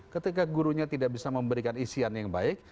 ketika gurunya tidak bisa memberikan isian yang baik